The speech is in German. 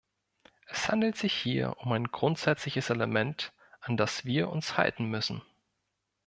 Es handelt sich hier um ein grundsätzliches Element, an das wir uns halten müssen.